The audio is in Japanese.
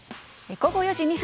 午後４時２分。